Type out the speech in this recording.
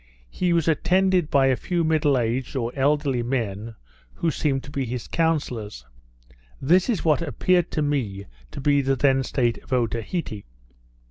He was attended by a few middle aged, or elderly men, who seemed to be his counsellors. This is what appeared to me to be the then state of Otaheite.